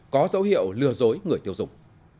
có dấu hiệu lừa dối người tiêu dùng